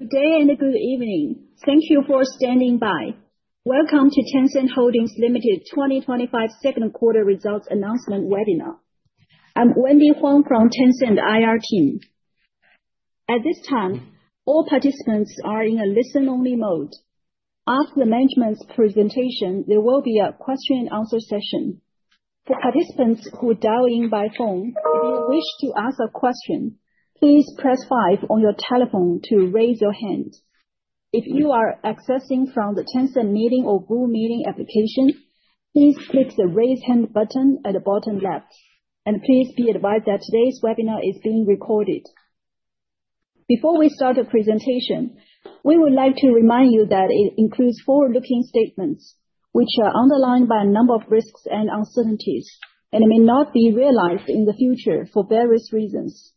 Good day and a good evening. Thank you for standing by. Welcome to Tencent Holdings Limited 2025 second quarter results announcement webinar. I'm Wendy Huang from Tencent IR team. At this time, all participants are in a listen-only mode. After the management's presentation, there will be a question and answer session. For participants who dialed in by phone, if you wish to ask a question, please press five on your telephone to raise your hand. If you are accessing from the Tencent Meeting or Google Meet application, please click the raise hand button at the bottom left. Please be advised that today's webinar is being recorded. Before we start the presentation, we would like to remind you that it includes forward-looking statements, which are underlined by a number of risks and uncertainties, and may not be realized in the future for various reasons.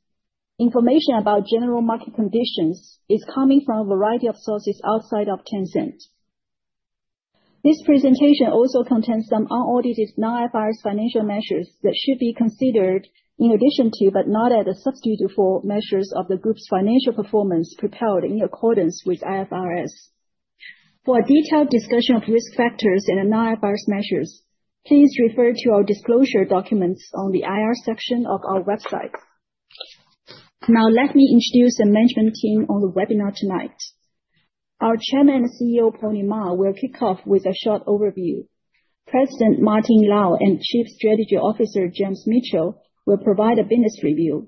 Information about general market conditions is coming from a variety of sources outside of Tencent. This presentation also contains some unaudited non-IFRS financial measures that should be considered in addition to, but not as a substitute for, measures of the group's financial performance prepared in accordance with IFRS. For a detailed discussion of risk factors and non-IFRS measures, please refer to our disclosure documents on the IR section of our website. Now, let me introduce the management team on the webinar tonight. Our Chairman and CEO, Pony Ma, will kick off with a short overview. President Martin Lau and Chief Strategy Officer James Mitchell will provide a business review.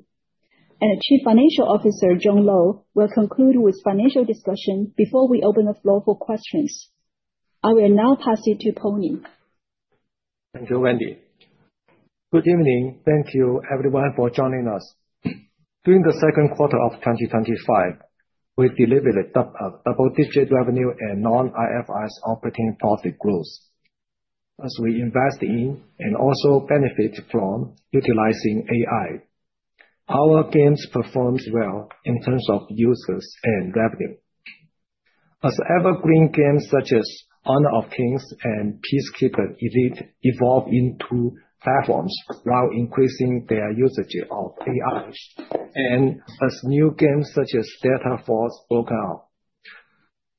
Chief Financial Officer John Lo will conclude with a financial discussion before we open the floor for questions. I will now pass it to Pony. Thank you, Wendy. Good evening. Thank you, everyone, for joining us. During the second quarter of 2025, we delivered a double-digit revenue and non-IFRS operating profit growth. As we invest in and also benefit from utilizing AI, our games performed well in terms of users and revenue. As evergreen games such as Honor of Kings and Peacekeeper Elite evolved into platforms while increasing their usage of AI, and as new games such as Delta Force broke out,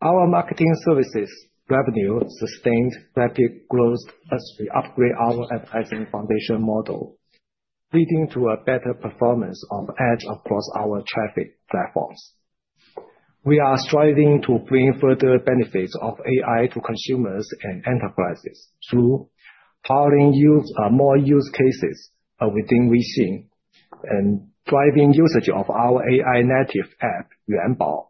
our marketing services revenue sustained rapid growth as we upgraded our advertising foundation model, leading to a better performance on the edge across our traffic platforms. We are striving to bring further benefits of AI to consumers and enterprises through powering more use cases within Weixin and driving usage of our AI-native app Yuanbao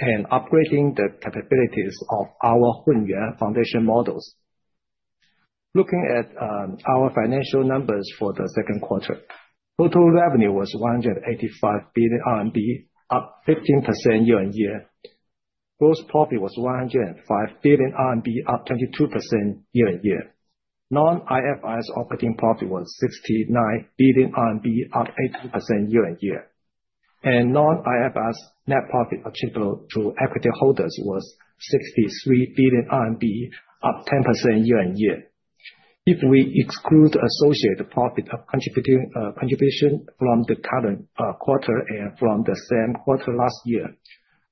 and upgrading the capabilities of our Hunyuan foundation models. Looking at our financial numbers for the second quarter, total revenue was 185 billion RMB, up 15% year-on-year. Gross profit was 105 billion RMB, up 22% year-on-year. Non-IFRS operating profit was 69 billion RMB, up 82% year-on-year. Non-IFRS net profit attributable to equity holders was 63 billion RMB, up 10% year-on-year. If we exclude the associated profit contribution from the current quarter and from the same quarter last year,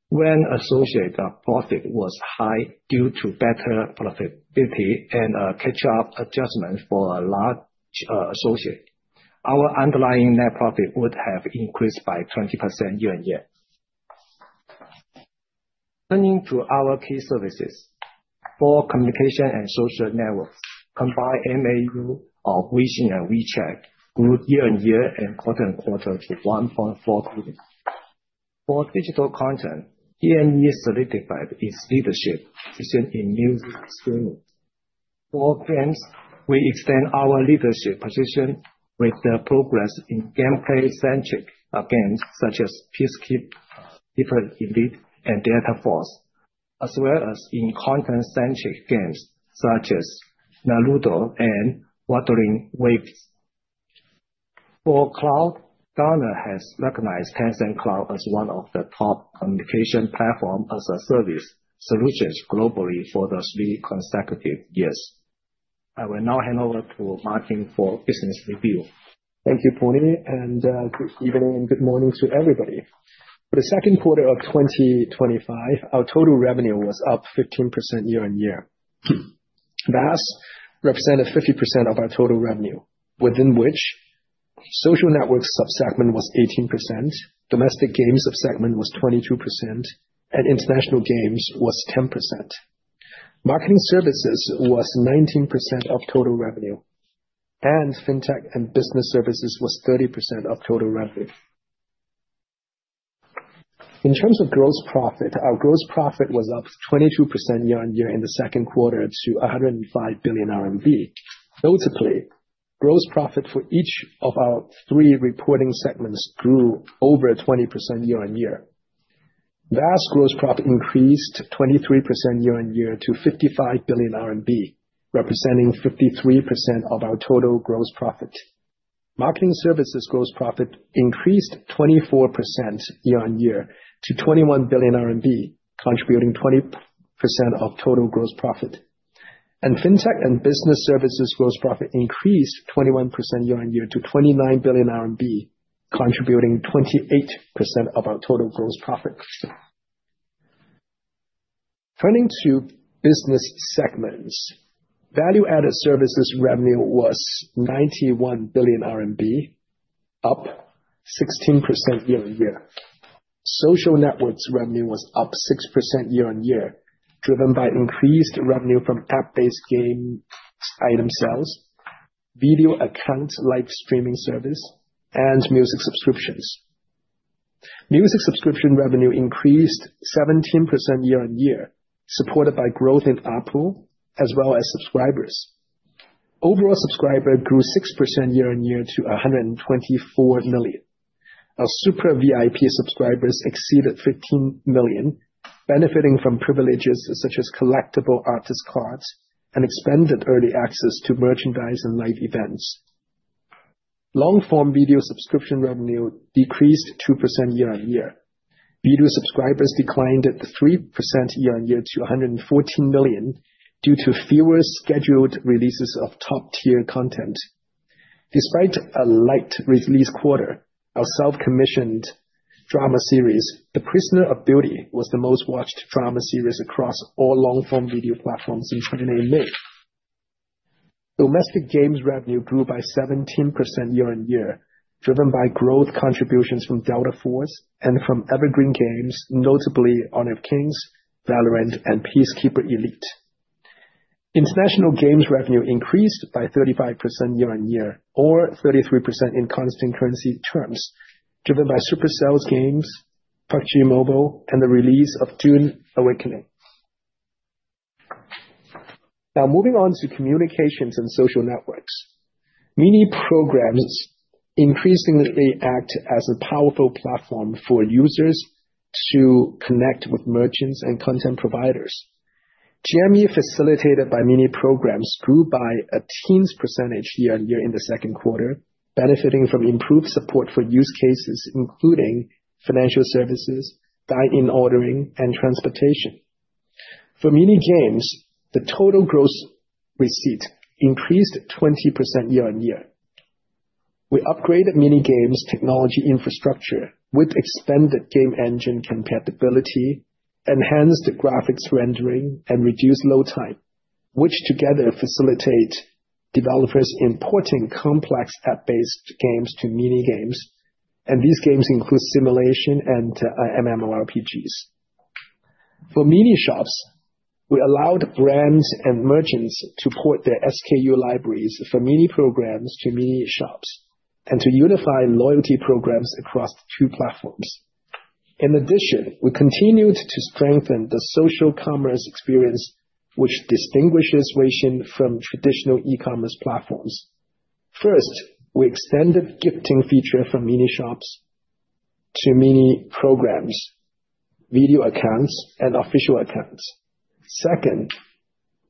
when associated profit was high due to better productivity and catch-up adjustments for a large associate, our underlying net profit would have increased by 20% year-on-year. Turning to our key services, for communication and social networks, combined MAU of Weixin and WeChat grew year-on-year and quarter-on-quarter to 1.4 billion. For digital content, TME solidified its leadership position in music streaming. For games, we extend our leadership position with the progress in gameplay-centric games such as Peacekeeper Elite and Delta Force, as well as in content-centric games such as Naruto and Wuthering Waves. For cloud, Gartner has recognized Tencent Cloud as one of the top communication platform-as-a-service solutions globally for three consecutive years. I will now hand over to Martin for a business review. Thank you, Pony. Good evening and good morning to everybody. For the second quarter of 2025, our total revenue was up 15% year-on-year. That represented 50% of our total revenue, within which the social networks subsegment was 18%, domestic games subsegment was 22%, and international games was 10%. Marketing services was 19% of total revenue. Fintech and business services was 30% of total revenue. In terms of gross profit, our gross profit was up 22% year-on-year in the second quarter to 105 billion RMB. Relatively, gross profit for each of our three reporting segments grew over 20% year-on-year. That gross profit increased 23% year-on-year to 55 billion RMB, representing 53% of our total gross profit. Marketing services gross profit increased 24% year-on-year to 21 billion RMB, contributing 20% of total gross profit. Fintech and business services gross profit increased 21% year-on-year to 29 billion RMB, contributing 28% of our total gross profit. Turning to business segments, Value-Added Services revenue was 91 billion RMB, up 16% year-on-year. Social networks revenue was up 6% year-on-year, driven by increased revenue from app-based game item sales, video accounts like streaming service, and music subscriptions. Music subscription revenue increased 17% year-on-year, supported by growth in Apple, as well as subscribers. Overall subscriber grew 6% year-on-year to 124 million. Our Super VIP subscribers exceeded 15 million, benefiting from privileges such as collectible artist cards and expanded early access to merchandise and live events. Long-form video subscription revenue decreased 2% year-on-year. Video subscribers declined 3% year-on-year to 114 million due to fewer scheduled releases of top-tier content. Despite a light release quarter, our self-commissioned drama series, The Prisoner of Beauty, was the most watched drama series across all long-form video platforms on Friday night. Domestic games revenue grew by 17% year-on-year, driven by growth contributions from Delta Force and from evergreen games, notably Honor of Kings, VALORANT, and Peacekeeper Elite. International games revenue increased by 35% year-on-year, or 33% in constant currency terms, driven by Supercell's games, PUBG Mobile, and the release of Dune: Awakening. Now, moving on to communications and social networks, mini programs increasingly act as a powerful platform for users to connect with merchants and content providers. TME, facilitated by mini programs, grew by a teens percentage year-on-year in the second quarter, benefiting from improved support for use cases, including financial services, dine-in ordering, and transportation. For mini games, the total gross receipt increased 20% year-on-year. We upgraded mini games' technology infrastructure with expanded game engine compatibility, enhanced graphics rendering, and reduced load time, which together facilitate developers importing complex app-based games to mini games. These games include simulation and MMORPGs. For mini shops, we allowed brands and merchants to port their SKU libraries from mini programs to mini shops and to unify loyalty programs across two platforms. In addition, we continued to strengthen the social commerce experience, which distinguishes Weixin from traditional e-commerce platforms. First, we extended gifting features from mini shops to mini programs, video accounts, and official accounts. Second,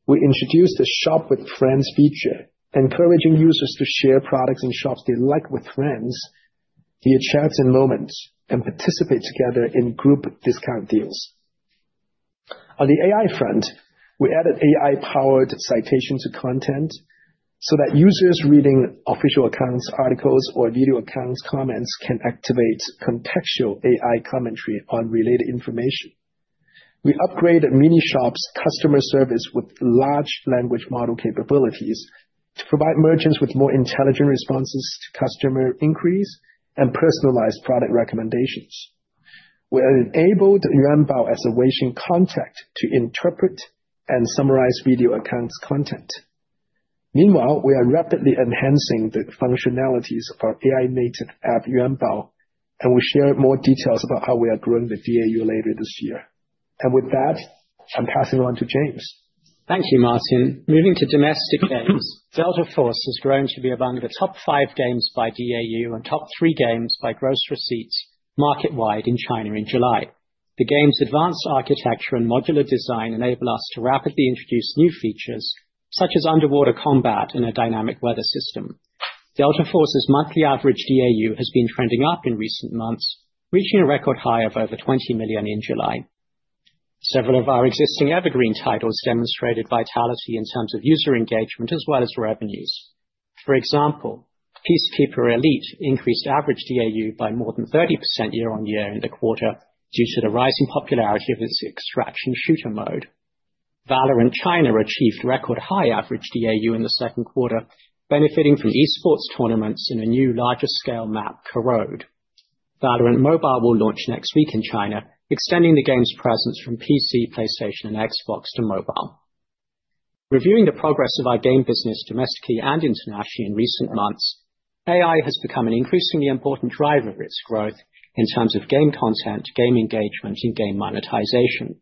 we introduced the shop with friends feature, encouraging users to share products and shops they like with friends via chats and moments and participate together in group discount deals. On the AI front, we added AI-powered citation to content so that users reading official accounts, articles, or video accounts comments can activate contextual AI commentary on related information. We upgraded mini shops' customer service with large language model capabilities to provide merchants with more intelligent responses to customer inquiries and personalized product recommendations. We enabled Yuanbao as a Weixin contact to interpret and summarize video accounts' content. Meanwhile, we are rapidly enhancing the functionalities of our AI-native app, Yuanbao, and we'll share more details about how we are growing with DAU later this year. With that, I'm passing it on to James. Thank you, Martin. Moving to domestic games, Delta Force has grown to be among the top five games by DAU and top three games by gross receipts market-wide in China in July. The game's advanced architecture and modular design enable us to rapidly introduce new features, such as underwater combat and a dynamic weather system. Delta Force's monthly average DAU has been trending up in recent months, reaching a record high of over 20 million in July. Several of our existing evergreen titles demonstrated vitality in terms of user engagement as well as revenues. For example, Peacekeeper Elite increased average DAU by more than 30% year-on-year in the quarter due to the rising popularity of its extraction shooter mode. VALORANT China achieved record-high average DAU in the second quarter, benefiting from eSports tournaments and a new larger-scale map for road. VALORANT Mobile will launch next week in China, extending the game's presence from PC, PlayStation, and Xbox to mobile. Reviewing the progress of our game business domestically and internationally in recent months, AI has become an increasingly important driver of its growth in terms of game content, game engagement, and game monetization.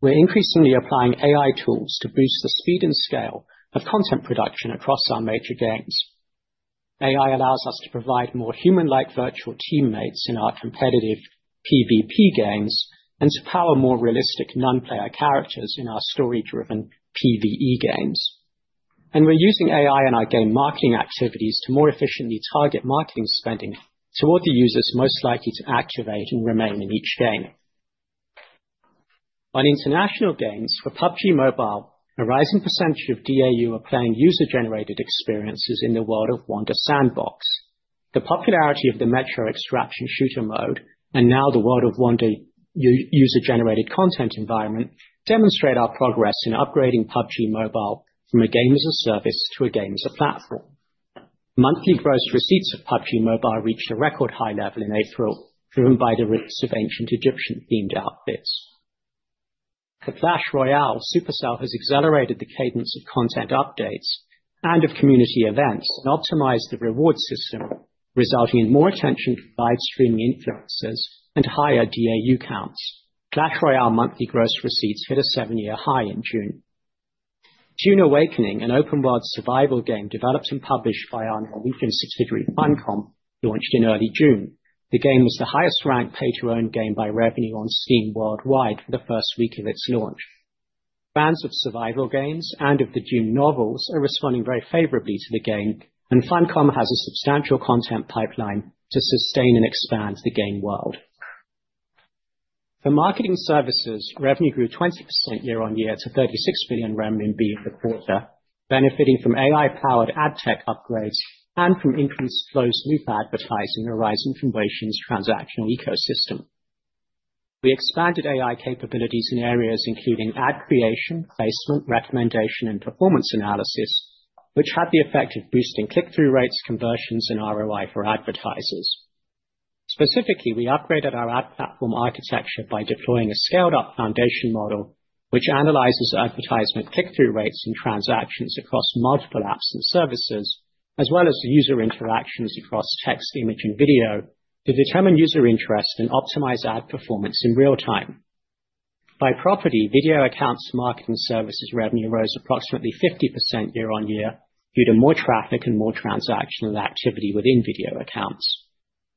We're increasingly applying AI tools to boost the speed and scale of content production across our major games. AI allows us to provide more human-like virtual teammates in our competitive PvP games and to power more realistic non-player characters in our story-driven PvE games. We're using AI in our game marketing activities to more efficiently target marketing spending toward the users most likely to activate and remain in each game. On international games, for PUBG Mobile, a rising percentage of DAU are playing user-generated experiences in the World of Wonder sandbox. The popularity of the metro extraction shooter mode and now the World of Wonder user-generated content environment demonstrate our progress in upgrading PUBG Mobile from a game as a service to a game as a platform. Monthly gross receipts of PUBG Mobile reached a record high level in April, driven by the drops of ancient Egyptian-themed outfits. For Clash Royale, Supercell has accelerated the cadence of content updates and of community events and optimized the reward system, resulting in more attention from live streaming influencers and higher DAU counts. Clash Royale monthly gross receipts hit a seven-year high in June. Dune: Awakening, an open-world survival game developed and published by our Norwegian subsidiary Funcom, launched in early June. The game was the highest-ranked pay-to-earn game by revenue on Steam worldwide for the first week of its launch. Fans of survival games and of the Dune novels are responding very favorably to the game, and Funcom has a substantial content pipeline to sustain and expand the game world. For marketing services, revenue grew 20% year-on-year to 36 billion renminbi for the quarter, benefiting from AI-powered ad tech upgrades and from influencers' loop advertising arising from Weixin's transactional ecosystem. We expanded AI capabilities in areas including ad creation, placement, recommendation, and performance analysis, which had the effect of boosting click-through rates, conversions, and ROI for advertisers. Specifically, we upgraded our ad platform architecture by deploying a scaled-up foundation model, which analyzes advertisement click-through rates and transactions across multiple apps and services, as well as user interactions across text, image, and video to determine user interest and optimize ad performance in real time. By property, video accounts' marketing services revenue rose approximately 50% year-on-year due to more traffic and more transactional activity within video accounts.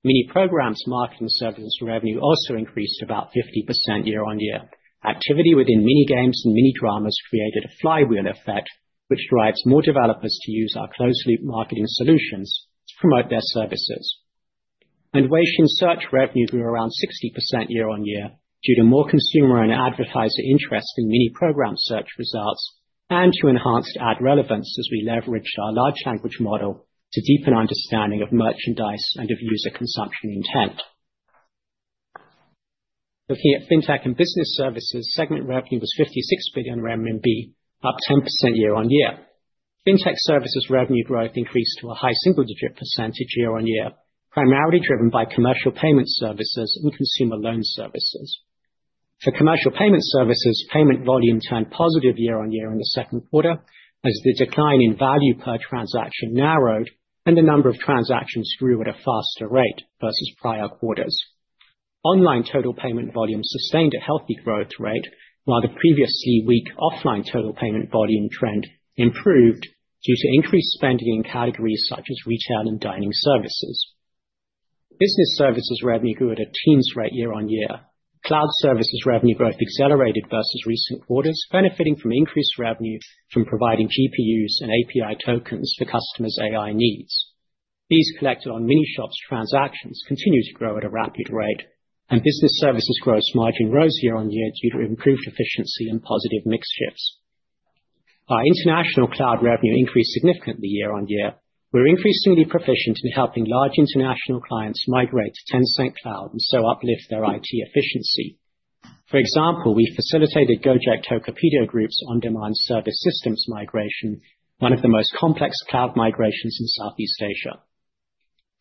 Mini programs' marketing services revenue also increased about 50% year-on-year. Activity within mini games and mini dramas created a flywheel effect, which drives more developers to use our closed-loop marketing solutions to promote their services. Weixin's search revenue grew around 60% year-on-year due to more consumer and advertiser interest in mini program search results and to enhanced ad relevance as we leveraged our large language model to deepen our understanding of merchandise and of user consumption intent. Looking at fintech and business services, segment revenue was 56 billion RMB, up 10% year-on-year. Fintech services revenue growth increased to a high single-digit percentage year-on-year, primarily driven by commercial payment services and consumer loan services. For commercial payment services, payment volume turned positive year-on-year in the second quarter as the decline in value per transaction narrowed and the number of transactions grew at a faster rate versus prior quarters. Online total payment volume sustained a healthy growth rate, while the previously weak offline total payment volume trend improved due to increased spending in categories such as retail and dining services. Business services revenue grew at a teens rate year-on-year. Cloud services revenue growth accelerated versus recent quarters, benefiting from increased revenue from providing GPUs and API tokens for customers' AI needs. These collected on mini shops' transactions continue to grow at a rapid rate, and business services gross margin rose year-on-year due to improved efficiency and positive mix-shifts. Our international cloud revenue increased significantly year-on-year. We are increasingly proficient in helping large international clients migrate to Tencent Cloud and so uplift their IT efficiency. For example, we facilitated Gojek Tokopedia Group's on-demand service systems migration, one of the most complex cloud migrations in Southeast Asia.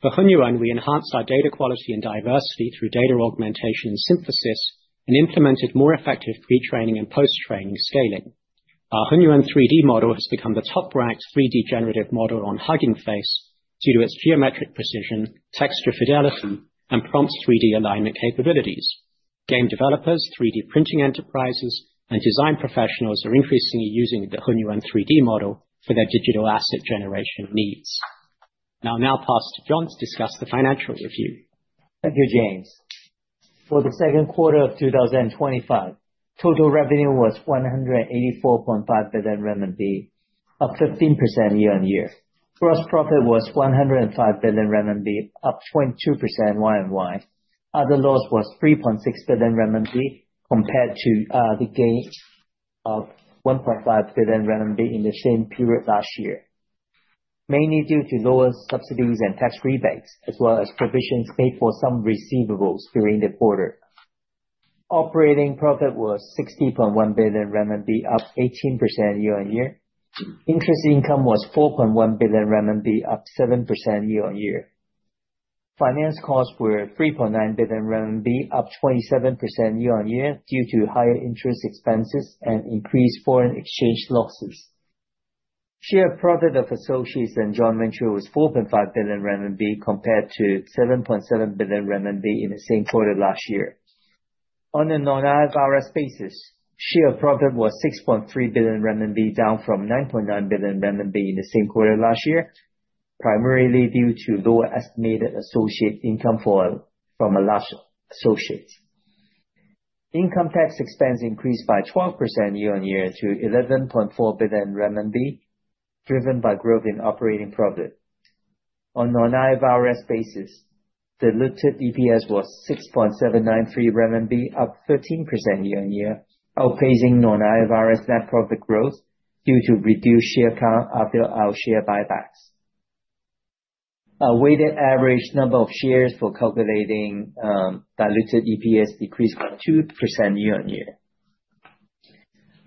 For Hunyuan, we enhanced our data quality and diversity through data augmentation and synthesis and implemented more effective pre-training and post-training scaling. Our Hunyuan 3D model has become the top-ranked 3D generative model on Hugging Face due to its geometric precision, texture fidelity, and prompt 3D alignment capabilities. Game developers, 3D printing enterprises, and design professionals are increasingly using the Hunyuan 3D model for their digital asset generation needs. I'll now pass to John to discuss the financial review. Thank you, James. For the second quarter of 2025, total revenue was 184.5 billion RMB, up 15% year-on-year. Gross profit was 105 billion RMB, up 22% year-on-year. Other loss was 3.6 billion RMB compared to the gain of 1.5 billion RMB in the same period last year, mainly due to lower subsidies and tax rebates, as well as provisions paid for some receivables during the quarter. Operating profit was 60.1 billion RMB, up 18% year-on-year. Interest income was 4.1 billion RMB, up 7% year-on-year. Finance costs were 3.9 billion RMB, up 27% year-on-year due to higher interest expenses and increased foreign exchange losses. Share profit of associates and joint ventures was 4.5 billion RMB compared to 7.7 billion RMB in the same quarter last year. On a non-IFRS basis, share profit was 6.3 billion RMB, down from 9.9 billion RMB in the same quarter last year, primarily due to low estimated associate income from a large associate. Income tax expense increased by 12% year-on-year to 11.4 billion RMB, driven by growth in operating profit. On a non-IFRS basis, diluted EPS was 6.793 RMB, up 13% year-on-year, outpacing non-IFRS net profit growth due to reduced share count after our share buybacks. Our weighted average number of shares for calculating diluted EPS decreased 2% year-on-year.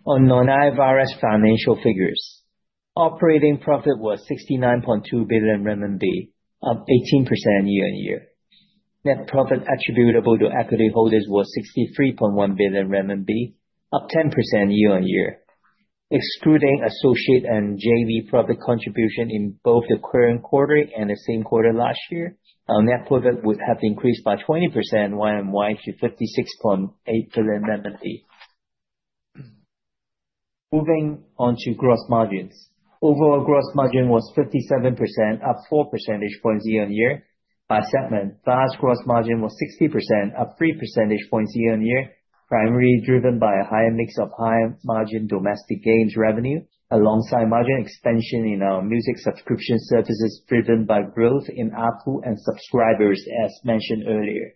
On non-IFRS financial figures, operating profit was 69.2 billion renminbi, up 18% year-on-year. Net profit attributable to equity holders was 63.1 billion RMB, up 10% year-on-year. Excluding associate and JV profit contribution in both the current quarter and the same quarter last year, our net profit would have increased by 20% year-on-year to RMB 56.8 billion. Moving on to gross margins, overall gross margin was 57%, up 4 percentage points year-on-year. By segment, VAS gross margin was 60%, up 3 percentage points year-on-year, primarily driven by a higher mix of high margin domestic games revenue alongside market expansion in our music subscription services, driven by growth in Apple and subscribers, as mentioned earlier.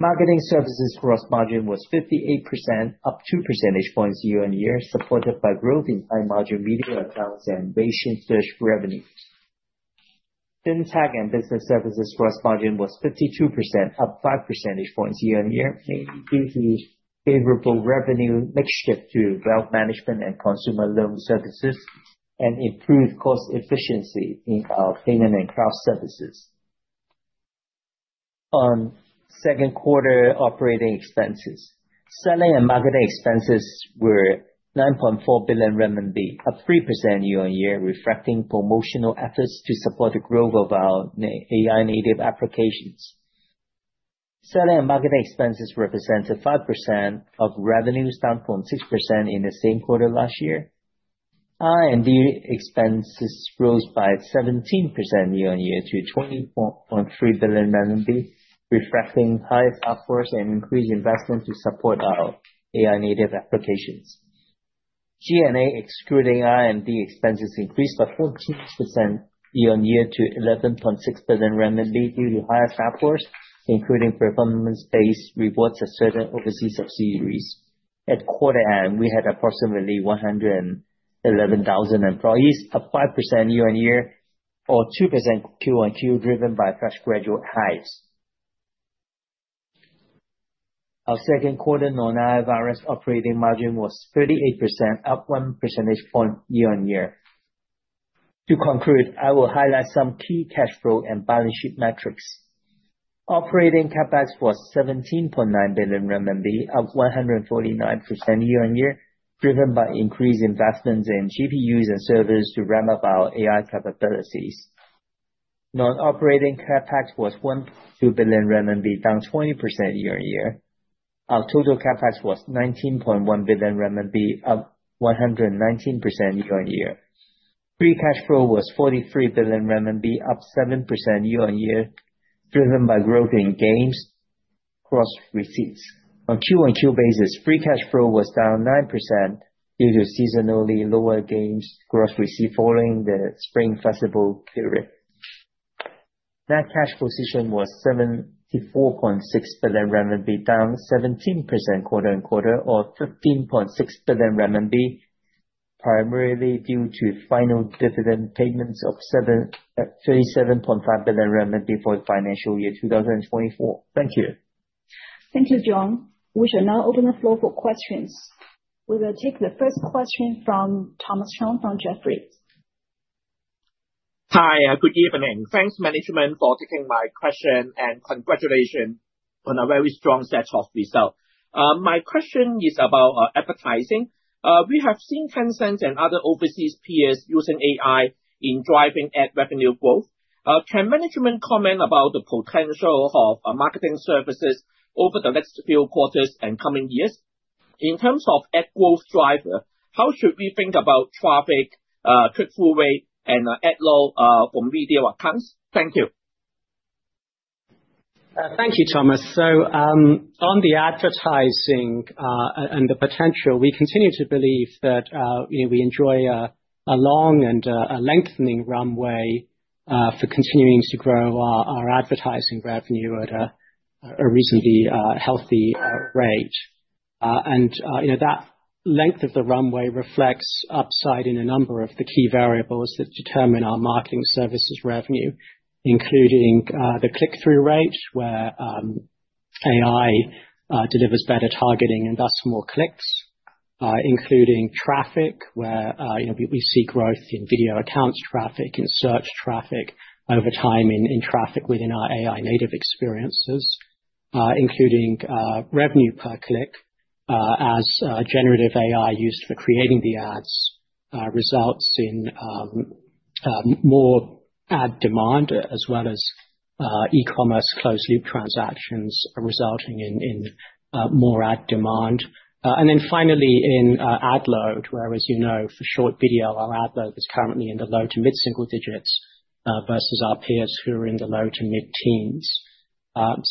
Marketing services gross margin was 58%, up 2 percentage points year-on-year, supported by growth in high margin video accounts and Weixin Search revenue. Fintech and business services gross margin was 52%, up 5 percentage points year-on-year, mainly due to favorable revenue mix-shift to wealth management and consumer loan services and improved cost efficiency in our payment and cloud services. On second quarter operating expenses, selling and marketing expenses were 9.4 billion renminbi, up 3% year-on-year, reflecting promotional efforts to support the growth of our AI-native applications. Selling and marketing expenses represented 5% of revenue, down from 5.6% in the same quarter last year. R&D expenses rose by 17% year-on-year to 20.3 billion RMB, reflecting higher efforts and increased investment to support our AI-native applications. G&A, excluding R&D expenses, increased by 0.2% year-on-year to 11.6 billion due to high effort, including performance-based rewards and certain overseas subsidiaries. At quarter end, we had approximately 111,000 employees, up 5% year-on-year, or 2% quarter-on-quarter, driven by fresh graduate hires. Our second quarter non-IFRS operating margin was 38%, up 1 percentage point year-on-year. To conclude, I will highlight some key cash flow and balance sheet metrics. Operating CapEx was 17.9 billion RMB, up 149% year-on-year, driven by increased investments in GPUs and servers to ramp up our AI capabilities. Non-operating CapEx was RMB 1.2 billion, down 20% year-on-year. Our total CapEx was 19.1 billion RMB, up 119% year-on-year. Free cash flow was 43 billion RMB, up 7% year-on-year, driven by growth in games gross receipts. On a quarter-on-quarter basis, free cash flow was down 9% due to seasonally lower games gross receipts following the Spring Festival period. Net cash position was 74.6 billion renminbi, down 17% quarter-on-quarter, or 15.6 billion renminbi, primarily due to final dividend payments of 37.5 billion renminbi for the financial year 2024. Thank you. Thank you, John. We shall now open the floor for questions. We will take the first question from Thomas Chong from Jefferies. Hi, good evening. Thanks, management, for taking my question and congratulations on a very strong set of results. My question is about advertising. We have seen Tencent and other overseas peers using AI in driving ad revenue growth. Can management comment about the potential for marketing services over the next few quarters and coming years? In terms of ad growth driver, how should we think about traffic, click-through rate, and ad load for video accounts? Thank you. Thank you, Thomas. On the advertising and the potential, we continue to believe that we enjoy a long and a lengthening runway for continuing to grow our advertising revenue at a reasonably healthy rate. That length of the runway reflects upside in a number of the key variables that determine our marketing services revenue, including the click-through rate, where AI delivers better targeting and thus more clicks, including traffic, where we see growth in video accounts traffic and search traffic over time in traffic within our AI-native experiences, including revenue per click as generative AI used for creating the ads results in more ad demand, as well as e-commerce closed-loop transactions resulting in more ad demand. Finally, in ad load, where, as you know, for short video, our ad load is currently in the low to mid-single digits versus our peers who are in the low to mid-teens.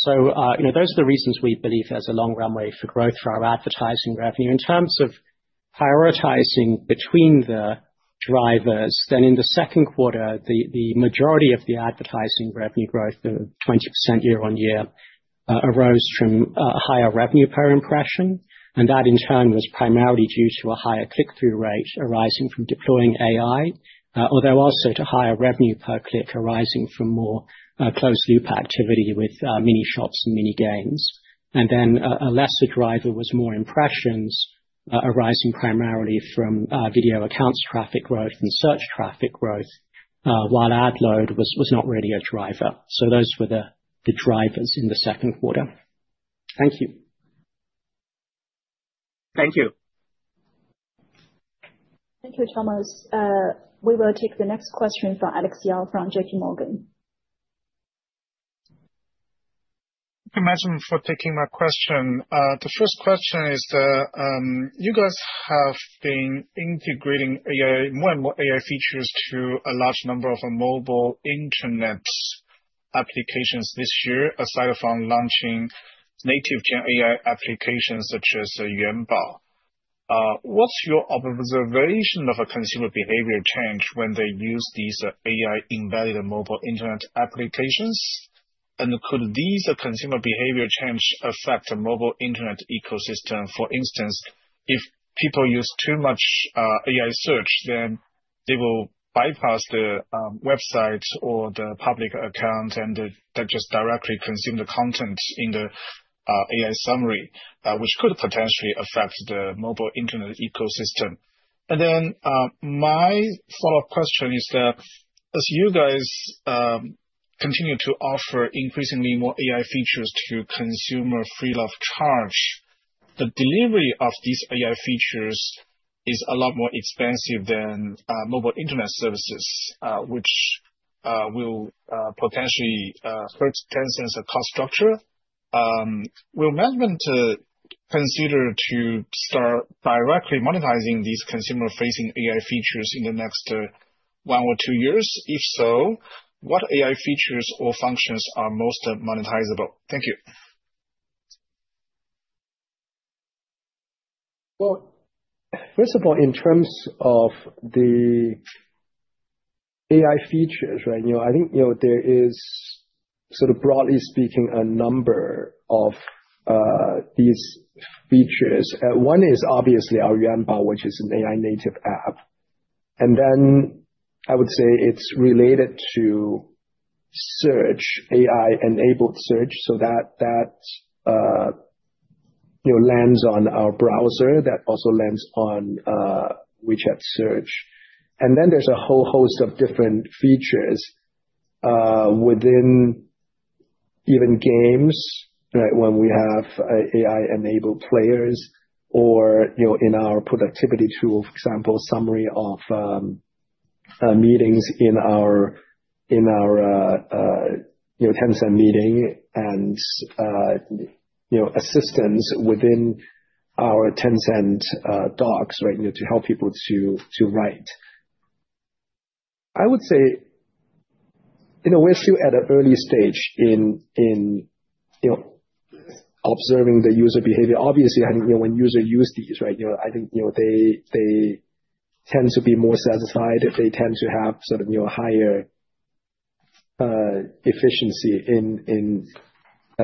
Those are the reasons we believe there's a long runway for growth for our advertising revenue. In terms of prioritizing between the drivers, in the second quarter, the majority of the advertising revenue growth, 20% year-on-year, arose from a higher revenue per impression. That, in turn, was primarily due to a higher click-through rate arising from deploying AI, although also to higher revenue per click arising from more closed-loop activity with mini shops and mini games. A lesser driver was more impressions arising primarily from video accounts traffic growth and search traffic growth, while ad load was not really a driver. Those were the drivers in the second quarter. Thank you. Thank you. Thank you, Thomas. We will take the next question from Alex Yao from JPMorgan. Thank you, management, for taking my question. The first question is, you guys have been integrating more and more AI features to a large number of mobile internet applications this year, aside from launching native GenAI applications such as Yuanbao. What's your observation of a consumer behavior change when they use these AI-enabled mobile internet applications? Could these consumer behavior changes affect the mobile internet ecosystem? For instance, if people use too much AI search, they will bypass the website or the public account and just directly consume the content in the AI summary, which could potentially affect the mobile internet ecosystem. My follow-up question is, as you guys continue to offer increasingly more AI features to consumers free of charge, the delivery of these AI features is a lot more expensive than mobile internet services, which will potentially hurt Tencent's cost structure. Will management consider starting to directly monetize these consumer-facing AI features in the next one or two years? If so, what AI features or functions are most monetizable? Thank you. First of all, in terms of the AI features, I think there is, broadly speaking, a number of these features. One is obviously our Yuanbao, which is an AI-native app. I would say it's related to search, AI-enabled search, so that lands on our browser, that also lands on WeChat Search. There is a whole host of different features within even games, when we have AI-enabled players or in our productivity tools, for example, summary of meetings in our Tencent Meeting and assistance within our Tencent Docs to help people to write. I would say we're still at an early stage in observing the user behavior. Obviously, when users use these, I think they tend to be more satisfied if they tend to have higher efficiency in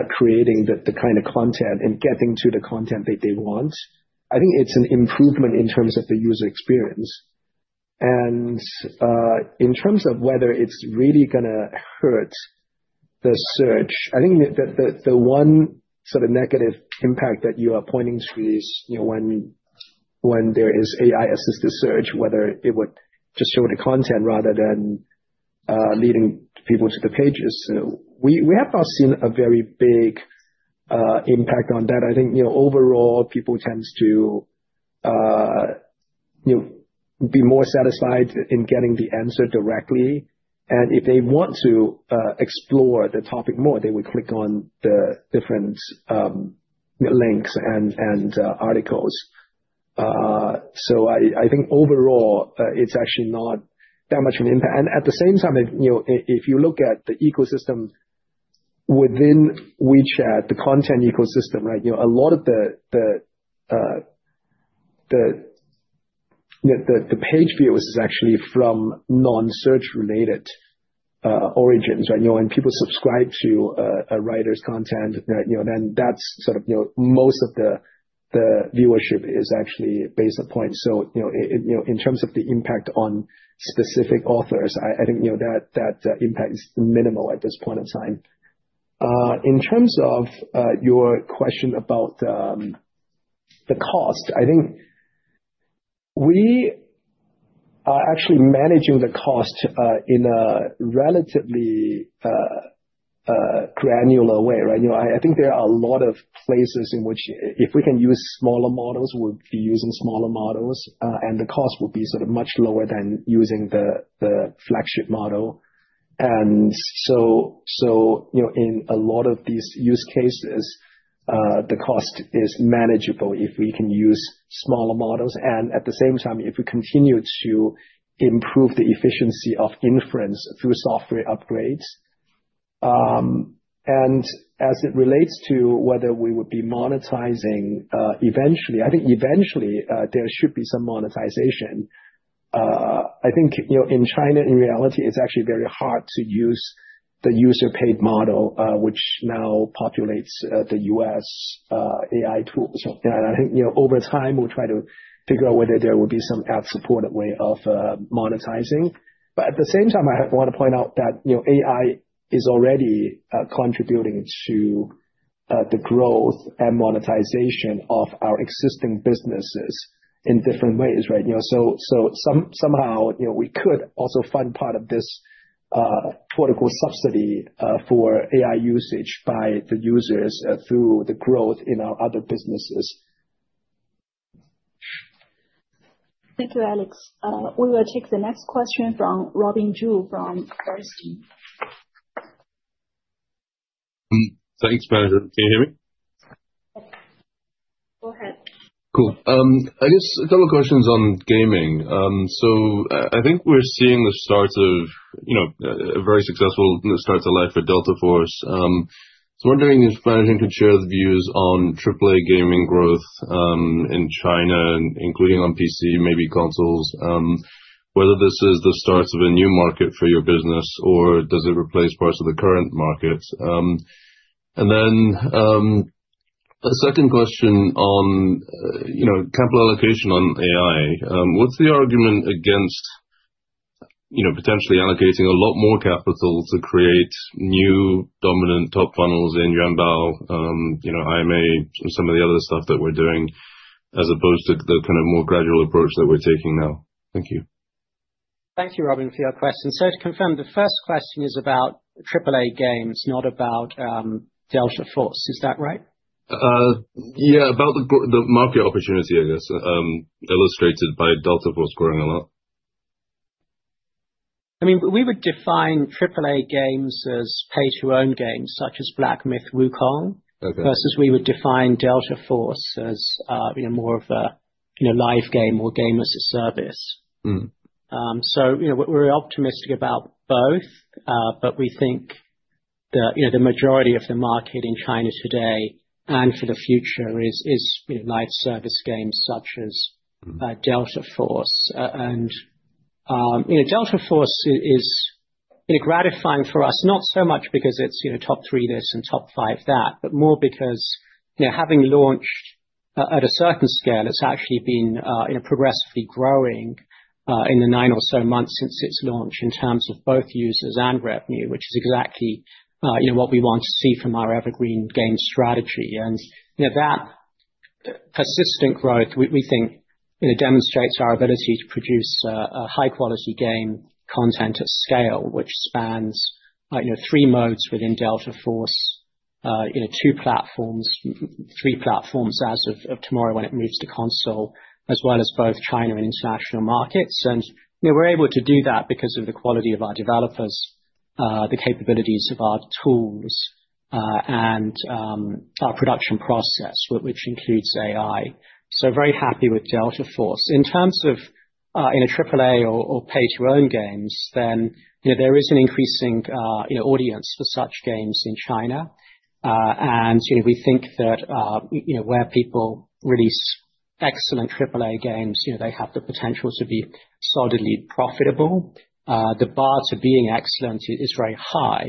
creating the kind of content and getting to the content that they want. I think it's an improvement in terms of the user experience. In terms of whether it's really going to hurt the search, I think that the one negative impact that you are pointing to is when there is AI-assisted search, whether it would just show the content rather than leading people to the pages. We have not seen a very big impact on that. I think, overall, people tend to be more satisfied in getting the answer directly. If they want to explore the topic more, they would click on the different links and articles. I think, overall, it's actually not that much of an impact. At the same time, if you look at the ecosystem within Weixin, the content ecosystem, a lot of the page views is actually from non-search-related origins. When people subscribe to a writer's content, then that's most of the viewership is actually based on points. In terms of the impact on specific authors, I think that impact is minimal at this point in time. In terms of your question about the cost, I think we are actually managing the cost in a relatively granular way. I think there are a lot of phases in which if we can use smaller models, we'll be using smaller models, and the cost will be much lower than using the flagship model. In a lot of these use cases, the cost is manageable if we can use smaller models. At the same time, if we continue to improve the efficiency of inference through software upgrades. As it relates to whether we would be monetizing eventually, I think eventually there should be some monetization. I think in China, in reality, it's actually very hard to use the user-paid model, which now populates the U.S. AI tools. I think, over time, we'll try to figure out whether there will be some app-supported way of monetizing. At the same time, I want to point out that AI is already contributing to the growth and monetization of our existing businesses in different ways, right? Somehow, we could also fund part of this political subsidy for AI usage by the users through the growth in our other businesses. Thank you, Alex. We will take the next question from Robin Zhu from Bernstein. Thanks, Pony. Can you hear me? Go ahead. Cool. I guess a couple of questions on gaming. I think we're seeing the start of a very successful start to life for Delta Force. I was wondering if management could share the views on AAA gaming growth in China, including on PC, maybe consoles, whether this is the start of a new market for your business, or does it replace parts of the current markets? A second question on capital allocation on AI. What's the argument against potentially allocating a lot more capital to create new dominant top funnels in Yuanbao, IMA, or some of the other stuff that we're doing, as opposed to the kind of more gradual approach that we're taking now? Thank you. Thank you, Robin, for your question. To confirm, the first question is about AAA games, not about Delta Force. Is that right? Yeah, about the market opportunity, I guess, illustrated by Delta Force growing a lot. We would define AAA games as pay-to-earn games, such as Black Myth: Wukong, versus we would define Delta Force as more of a live game or game as a service. We're optimistic about both, but we think that the majority of the market in China today and for the future is live service games such as Delta Force. Delta Force is gratifying for us, not so much because it's top three this and top five that, but more because having launched at a certain scale, it's actually been progressively growing in the nine or so months since its launch in terms of both users and revenue, which is exactly what we want to see from our evergreen game strategy. That persistent growth, we think, demonstrates our ability to produce high-quality game content at scale, which spans three modes within Delta Force, two platforms, three platforms as of tomorrow when it moves to console, as well as both China and international markets. We're able to do that because of the quality of our developers, the capabilities of our tools, and our production process, which includes AI. Very happy with Delta Force. In terms of AAA or pay-to-earn games, there is an increasing audience for such games in China. We think that where people release excellent AAA games, they have the potential to be solidly profitable. The bar to being excellent is very high.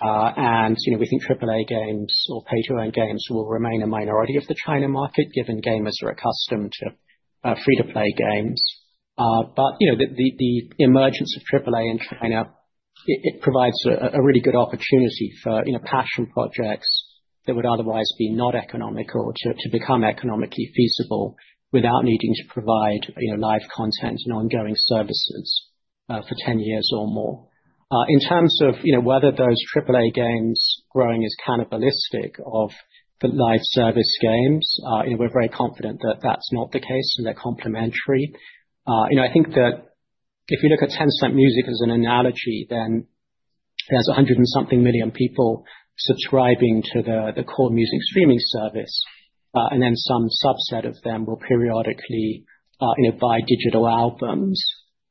We think AAA games or pay-to-earn games will remain a minority of the China market, given gamers are accustomed to free-to-play games. The emergence of AAA in China provides a really good opportunity for passion projects that would otherwise be not economical to become economically feasible without needing to provide live content and ongoing services for 10 years or more. In terms of whether those AAA games growing as cannibalistic of the live service games, we're very confident that that's not the case and they're complementary. If you look at Tencent Music as an analogy, it has 100 and something million people subscribing to the core music streaming service. Some subset of them will periodically buy digital albums.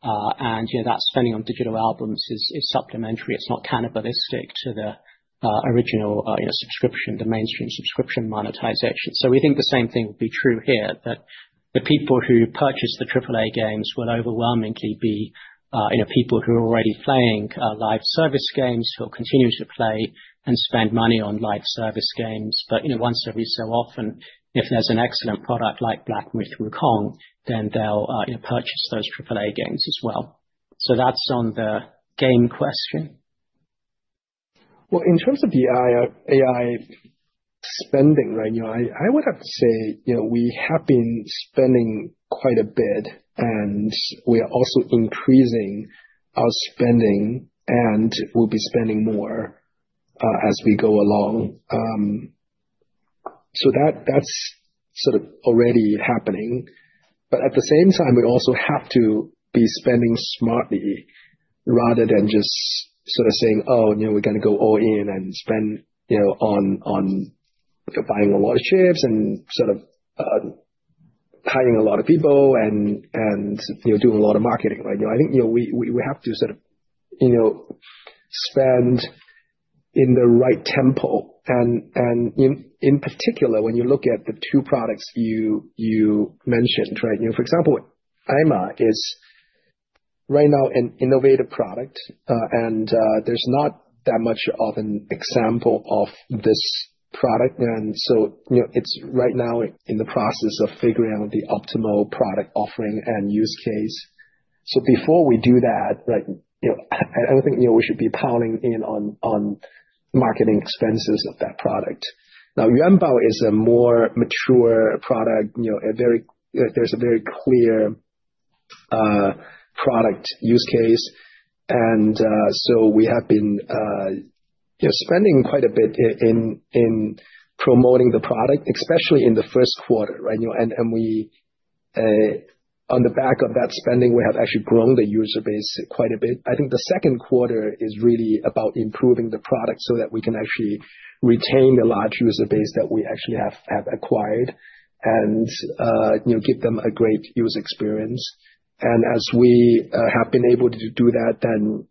That spending on digital albums is supplementary. It's not cannibalistic to the original subscription, the mainstream subscription monetization. We think the same thing would be true here, that the people who purchase the AAA games will overwhelmingly be people who are already playing live service games or continue to play and spend money on live service games. Once every so often, if there's an excellent product like Black Myth: Wukong, they'll purchase those AAA games as well. That's on the game question. In terms of the AI spending, I would have to say we have been spending quite a bit, and we are also increasing our spending and will be spending more as we go along. That is sort of already happening. At the same time, we also have to be spending smartly rather than just sort of saying, oh, we're going to go all in and spend on buying a lot of chips and hiring a lot of people and doing a lot of marketing. I think we have to spend in the right tempo. In particular, when you look at the two products you mentioned, for example, IMA is right now an innovative product, and there is not that much of an example of this product. It is right now in the process of figuring out the optimal product offering and use case. Before we do that, I do not think we should be piling in on marketing expenses of that product. Yuanbao is a more mature product. There is a very clear product use case. We have been spending quite a bit in promoting the product, especially in the first quarter. On the back of that spending, we have actually grown the user base quite a bit. I think the second quarter is really about improving the product so that we can actually retain the large user base that we have acquired and give them a great user experience. As we have been able to do that, then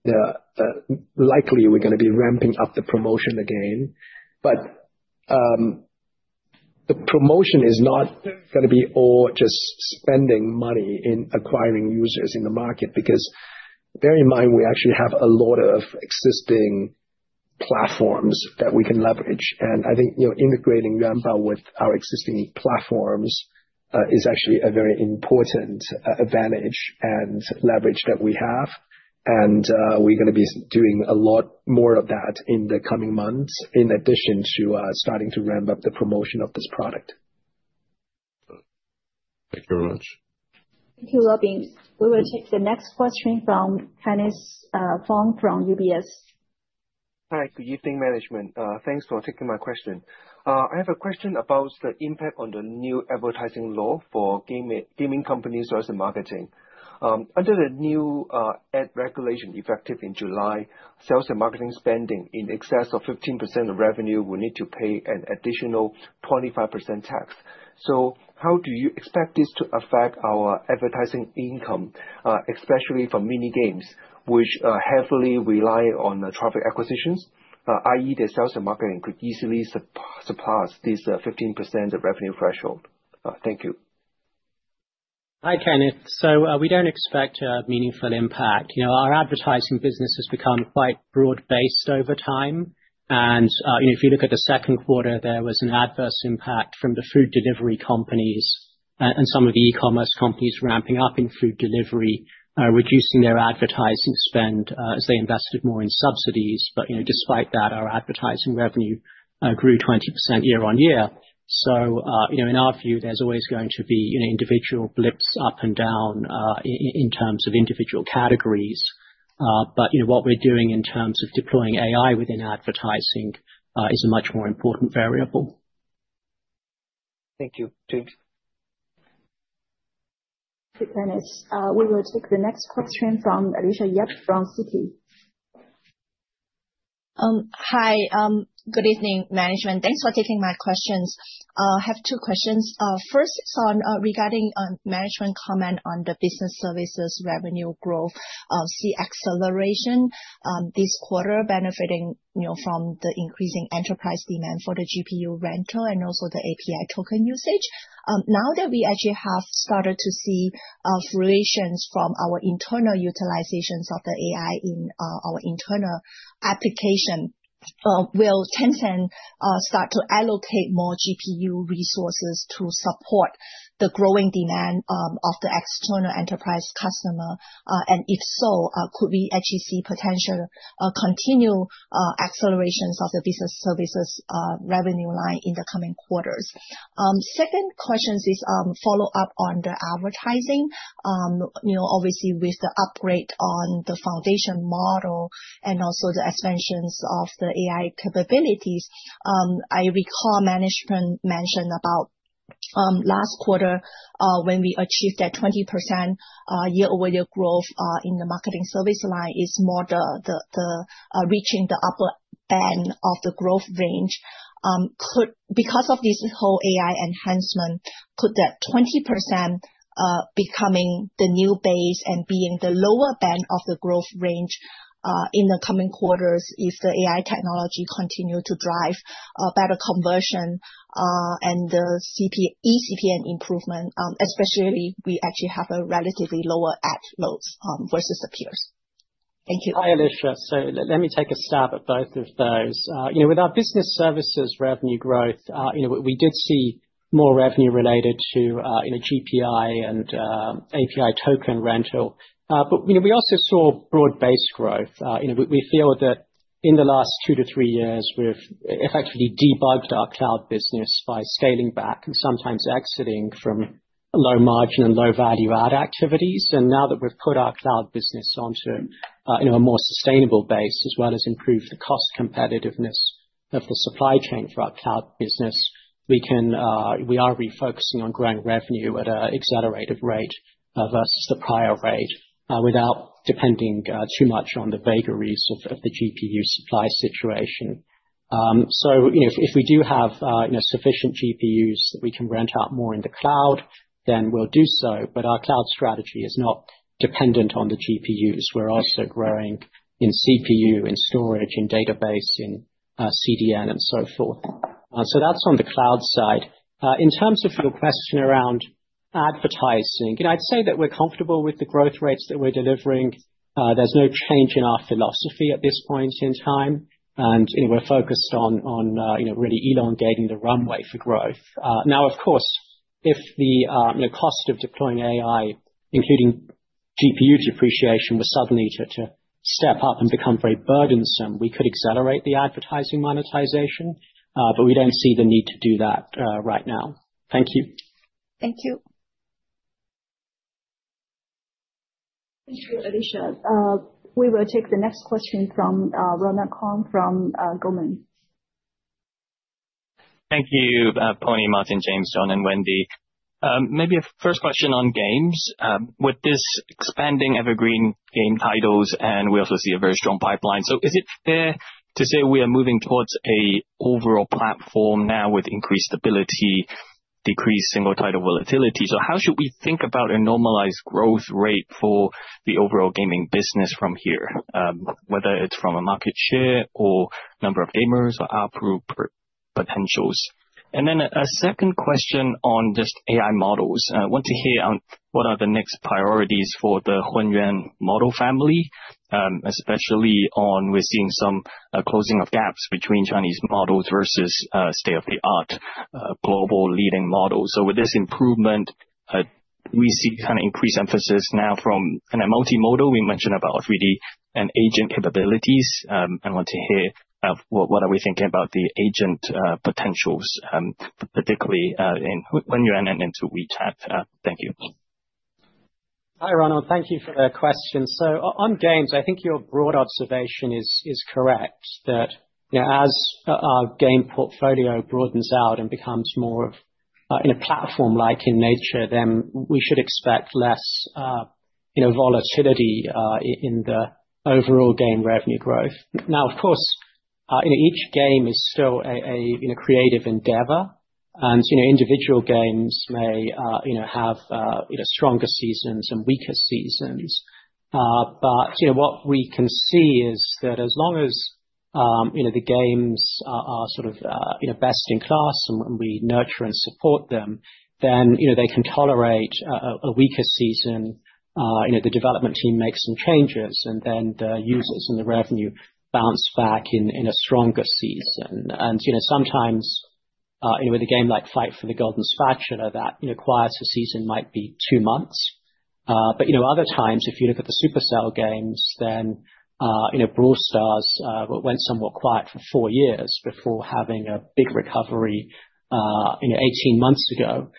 likely we are going to be ramping up the promotion again. The promotion is not going to be all just spending money in acquiring users in the market because bear in mind, we actually have a lot of existing platforms that we can leverage. I think integrating Yuanbao with our existing platforms is actually a very important advantage and leverage that we have. We are going to be doing a lot more of that in the coming months, in addition to starting to ramp up the promotion of this product. Thank you very much. Thank you, Robin. We will take the next question from Kenneth Fong from UBS. All right. Good evening, management. Thanks for taking my question. I have a question about the impact on the new advertising law for gaming companies' sales and marketing. Under the new ad regulation effective in July, sales and marketing spending in excess of 15% of revenue will need to pay an additional 25% tax. How do you expect this to affect our advertising income, especially for mini games, which heavily rely on traffic acquisitions, i.e., the sales and marketing could easily surpass this 15% revenue threshold? Thank you. Hi, Kenneth. We don't expect a meaningful impact. Our advertising business has become quite broad-based over time. If you look at the second quarter, there was an adverse impact from the food delivery companies and some of the e-commerce companies ramping up in food delivery, reducing their advertising spend as they invested more in subsidies. Despite that, our advertising revenue grew 20% year-on-year. In our view, there's always going to be individual blips up and down in terms of individual categories. What we're doing in terms of deploying AI within advertising is a much more important variable. Thank you. Thank you, Kenneth. We will take the next question from Alicia Yap from Citi. Hi. Good evening, management. Thanks for taking my questions. I have two questions. First, regarding management comment on the business services revenue growth, see acceleration this quarter benefiting from the increasing enterprise demand for the GPU rental and also the API token usage. Now that we actually have started to see fluctuations from our internal utilizations of the AI in our internal application, will Tencent start to allocate more GPU resources to support the growing demand of the external enterprise customer? If so, could we actually see potential continual accelerations of the business services revenue line in the coming quarters? Second question is follow-up on the advertising. Obviously, with the upgrade on the foundation model and also the expansions of the AI capabilities, I recall management mentioned about last quarter when we achieved that 20% year-over-year growth in the marketing service line is more reaching the upper band of the growth range. Because of this whole AI enhancement, could that 20% becoming the new base and being the lower band of the growth range in the coming quarters if the AI technology continues to drive better conversion and the eCPM improvement, especially we actually have a relatively lower ad loads versus the peers? Hi, Alicia. Let me take a stab at both of those. With our business services revenue growth, we did see more revenue related to GPU and API token rental. We also saw broad base growth. We feel that in the last two to three years, we've effectively debugged our cloud business by scaling back and sometimes exiting from low margin and low value add activities. Now that we've put our cloud business onto a more sustainable base, as well as improved the cost competitiveness of the supply chain for our cloud business, we are refocusing on growing revenue at an accelerated rate versus the prior rate without depending too much on the vagaries of the GPU supply situation. If we do have sufficient GPUs that we can rent out more in the cloud, then we'll do so. Our cloud strategy is not dependent on the GPUs. We're also growing in CPU, in storage, in database, in CDN, and so forth. That's on the cloud side. In terms of your question around advertising, I'd say that we're comfortable with the growth rates that we're delivering. There's no change in our philosophy at this point in time. We're focused on really elongating the runway for growth. Of course, if the cost of deploying AI, including GPU depreciation, were suddenly to step up and become very burdensome, we could accelerate the advertising monetization. We don't see the need to do that right now. Thank you. Thank you. Thank you, Alicia. We will take the next question from Ronald Keung from Goldman. Thank you, Pony, Martin, James, John, and Wendy. Maybe a first question on games. With this expanding evergreen game titles, we obviously have a very strong pipeline. Is it fair to say we are moving towards an overall platform now with increased stability, decreased single title volatility? How should we think about a normalized growth rate for the overall gaming business from here, whether it's from a market share or number of gamers or app group potentials? A second question on just AI models. I want to hear what are the next priorities for the Hunyuan model family, especially as we're seeing some closing of gaps between Chinese models versus state-of-the-art global leading models. With this improvement, we see kind of increased emphasis now from a multimodal perspective. We mentioned about 3D and agent capabilities. I want to hear what are we thinking about the agent potentials, particularly in Hunyuan and into WeChat. Thank you. Hi, Ronald. Thank you for the question. On games, I think your broad observation is correct that as our game portfolio broadens out and becomes more platform-like in nature, we should expect less volatility in the overall game revenue growth. Of course, each game is still a creative endeavor, and individual games may have stronger seasons and weaker seasons. What we can see is that as long as the games are best in class and we nurture and support them, they can tolerate a weaker season. The development team makes some changes, and the users and the revenue bounce back in a stronger season. Sometimes, with a game like Fight for the Golden Spatula that requires a season, it might be two months. Other times, if you look at the Supercell games, Brawl Stars went somewhat quiet for four years before having a big recovery 18 months ago.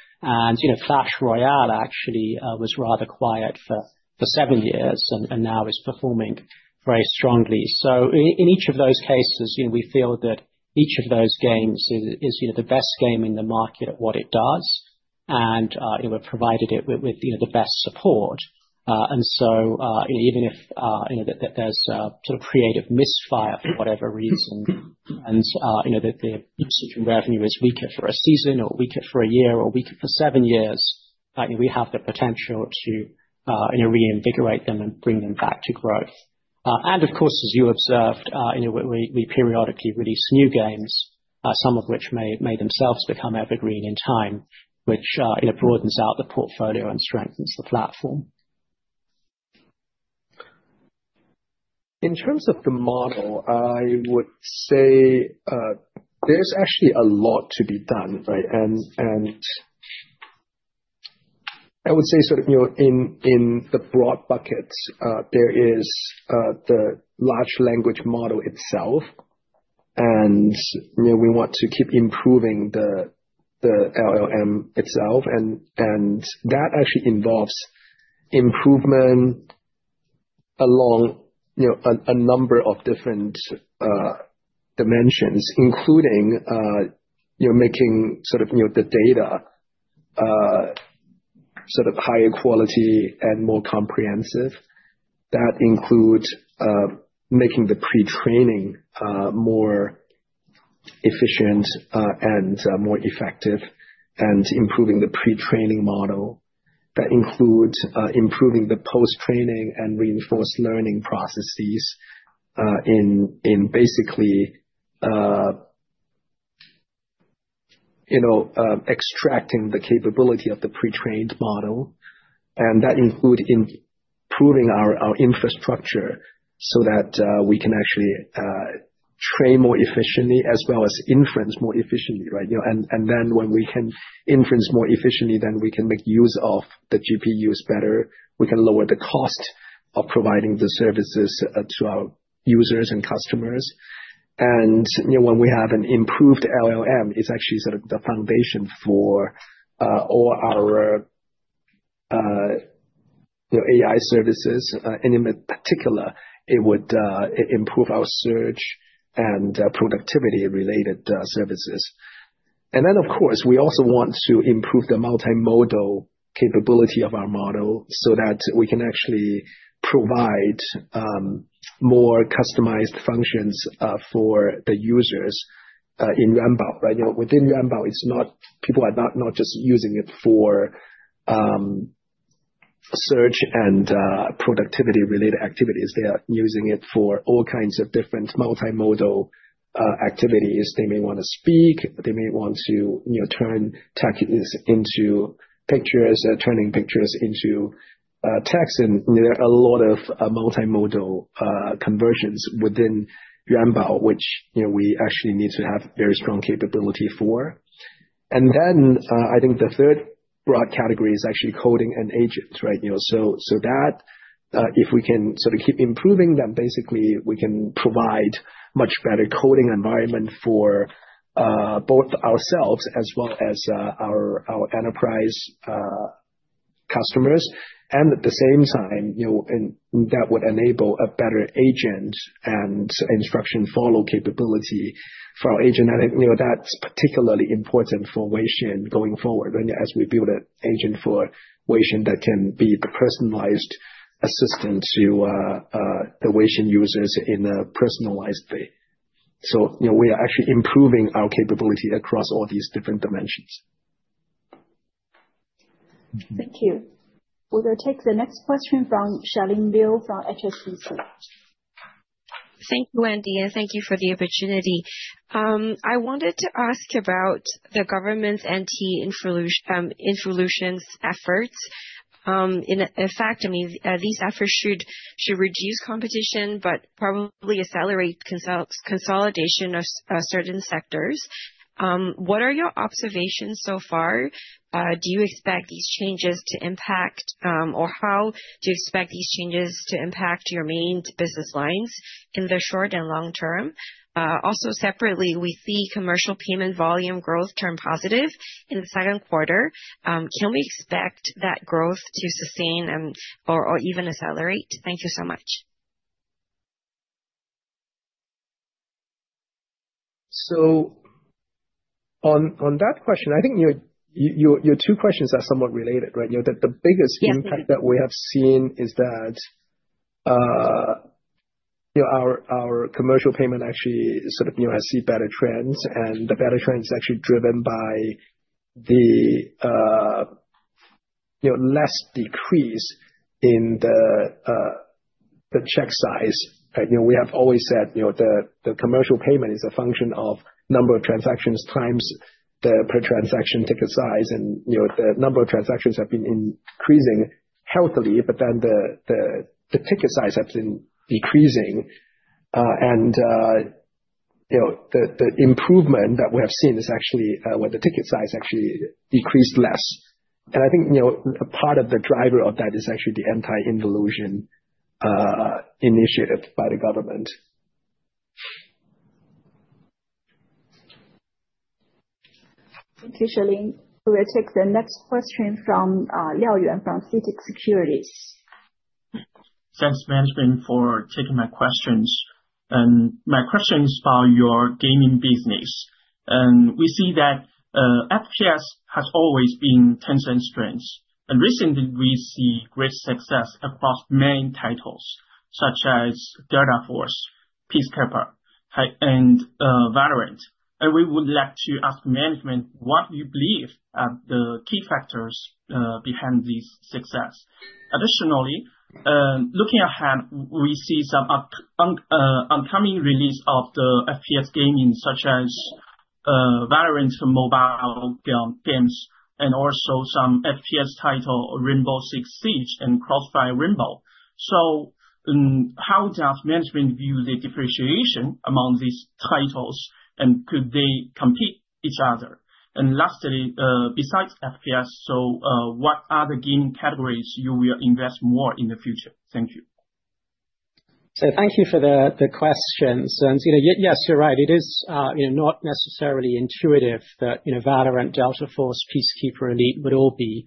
Clash Royale actually was rather quiet for seven years and now is performing very strongly. In each of those cases, we feel that each of those games is the best game in the market at what it does, and we've provided it with the best support. Even if there's a creative misfire for whatever reason, and the revenue is weaker for a season or weaker for a year or weaker for seven years, we have the potential to reinvigorate them and bring them back to growth. As you observed, we periodically release new games, some of which may themselves become evergreen in time, which broadens out the portfolio and strengthens the platform. In terms of the model, I would say there's actually a lot to be done, right? I would say sort of in the broad buckets, there is the large language model itself. We want to keep improving the LLM itself, and that actually involves improvement along a number of different dimensions, including making sort of the data higher quality and more comprehensive. That includes making the pre-training more efficient and more effective and improving the pre-training model. That includes improving the post-training and reinforced learning processes in basically extracting the capability of the pre-trained model. That includes improving our infrastructure so that we can actually train more efficiently as well as inference more efficiently, right? When we can inference more efficiently, we can make use of the GPUs better. We can lower the cost of providing the services to our users and customers. When we have an improved LLM, it's actually the foundation for all our AI services. In particular, it would improve our search and productivity-related services. Of course, we also want to improve the multimodal capability of our model so that we can actually provide more customized functions for the users in Yuanbao, right? Within Yuanbao, people are not just using it for search and productivity-related activities. They are using it for all kinds of different multimodal activities. They may want to speak. They may want to turn texts into pictures, turning pictures into text. There are a lot of multimodal conversions within Yuanbao, which we actually need to have very strong capability for. I think the third broad category is actually coding and agents, right? If we can sort of keep improving them, basically, we can provide a much better coding environment for both ourselves as well as our enterprise customers. At the same time, that would enable a better agent and instruction follow capability for our agent. I think that's particularly important for Weixin going forward as we build an agent for Weixin that can be the personalized assistant to the Weixin users in a personalized way. We are actually improving our capability across all these different dimensions. Thank you. We will take the next question from Charlene Liu from HSBC. Thank you, Wendy, and thank you for the opportunity. I wanted to ask about the government's anti-inflation efforts. In fact, these efforts should reduce competition but probably accelerate consolidation of certain sectors. What are your observations so far? Do you expect these changes to impact, or how do you expect these changes to impact your main business lines in the short and long term? Also, separately, we see commercial payment volume growth turn positive in the second quarter. Can we expect that growth to sustain or even accelerate? Thank you so much. On that question, I think your two questions are somewhat related, right? The biggest impact that we have seen is that our commercial payment actually has seen better trends. The better trend is actually driven by the less decrease in the check size. We have always said the commercial payment is a function of the number of transactions times the per-transaction ticket size. The number of transactions have been increasing healthily, but the ticket size has been decreasing. The improvement that we have seen is actually when the ticket size decreased less. I think a part of the driver of that is actually the anti-inflation initiative by the government. Thank you, Charlene. We will take the next question from Liao Yuan from CITIC Securities. Thanks, management, for taking my questions. My question is about your gaming business. We see that FPS has always been Tencent's strength. Recently, we see great success across main titles such as Delta Force, Peacekeeper, and VALORANT. We would like to ask management what you believe are the key factors behind this success. Additionally, looking ahead, we see some upcoming releases of the FPS gaming such as VALORANT mobile games and also some FPS titles, Rainbow Six Siege, and Crossfire: Rainbow. How does management view the differentiation among these titles? Could they compete with each other? Lastly, besides FPS, what other game categories will you invest more in the future? Thank you. Thank you for the questions. Yes, you're right. It is not necessarily intuitive that VALORANT, Delta Force, Peacekeeper Elite would all be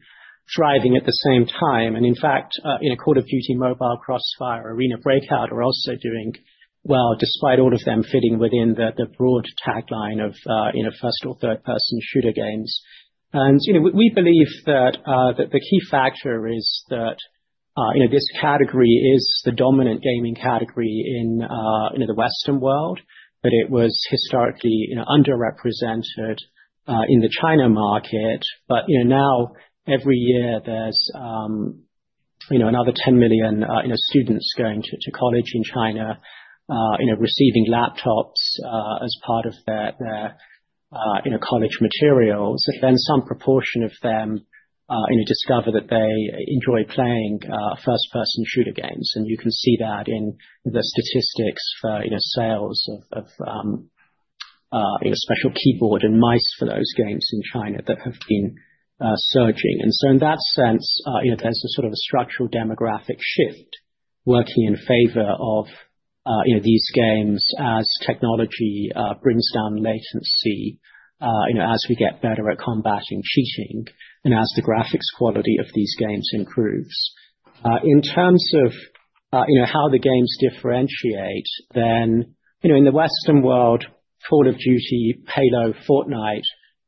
thriving at the same time. In fact, Call of Duty Mobile, Crossfire, and Arena Breakout are also doing well despite all of them fitting within the broad tagline of first or third-person shooter games. We believe that the key factor is that this category is the dominant gaming category in the Western world, that it was historically underrepresented in the China market. Now, every year, there's another 10 million students going to college in China, receiving laptops as part of their college materials. Some proportion of them discover that they enjoy playing first-person shooter games. You can see that in the statistics for sales of special keyboard and mice for those games in China that have been surging. In that sense, there's a sort of a structural demographic shift working in favor of these games as technology brings down latency, as we get better at combating cheating, and as the graphics quality of these games improves. In terms of how the games differentiate, in the Western world, Call of Duty, Halo, and Fortnite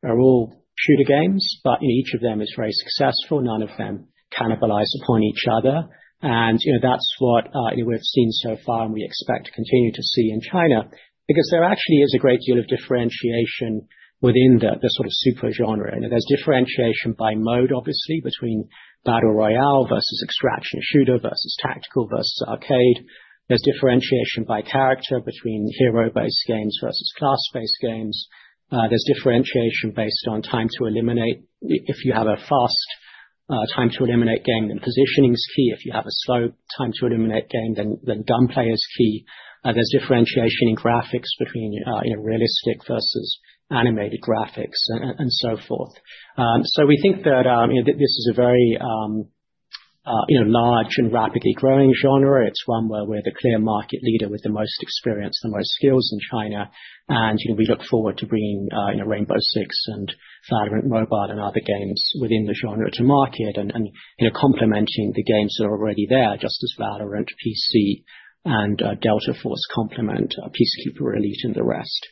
are all shooter games. In each of them, it's very successful. None of them cannibalize upon each other. That's what we've seen so far and we expect to continue to see in China because there actually is a great deal of differentiation within the sort of supergenre. There's differentiation by mode, obviously, between battle royale versus abstraction shooter versus tactical versus arcade. There's differentiation by character between hero-based games versus class-based games. There's differentiation based on time to eliminate. If you have a fast time-to-eliminate game, then positioning is key. If you have a slow time-to-eliminate game, then gunplay is key. There's differentiation in graphics between realistic versus animated graphics and so forth. We think that this is a very large and rapidly growing genre. It's one where we're the clear market leader with the most experience and the most skills in China. We look forward to bringing Rainbow Six and VALORANT Mobile and other games within the genre to market and complementing the games that are already there, just as VALORANT PC and Delta Force complement Peacekeeper Elite and the rest.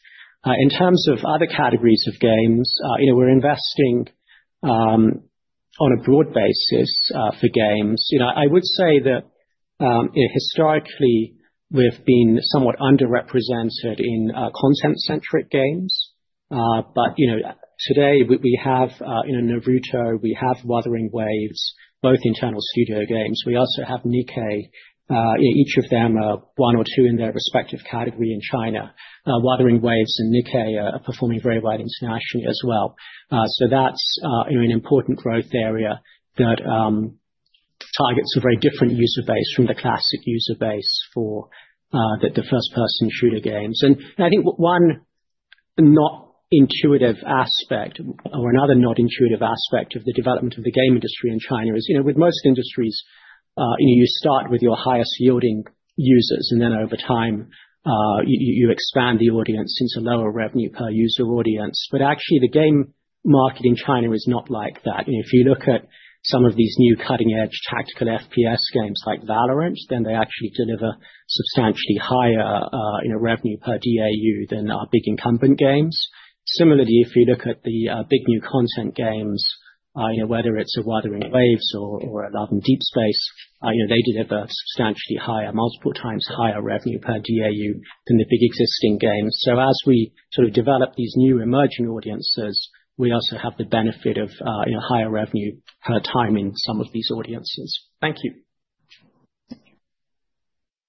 In terms of other categories of games, we're investing on a broad basis for games. I would say that historically, we've been somewhat underrepresented in content-centric games. Today, we have Naruto, we have Wuthering Waves, both internal studio games. We also have Nikke. Each of them are one or two in their respective category in China. Wuthering Waves and Nikke are performing very well internationally as well. That's an important growth area that targets a very different user base from the classic user base for the first-person shooter games. I think one not intuitive aspect or another not intuitive aspect of the development of the game industry in China is, with most industries, you start with your highest yielding users, and then over time, you expand the audience into lower revenue per user audience. Actually, the game market in China is not like that. If you look at some of these new cutting-edge tactical FPS games like VALORANT, they actually deliver substantially higher revenue per DAU than our big incumbent games. Similarly, if you look at the big new content games, whether it's Wuthering Waves or Love and Deepspace, they deliver substantially higher, multiple times higher revenue per DAU than the big existing games. As we sort of develop these new emerging audiences, we also have the benefit of higher revenue per time in some of these audiences. Thank you.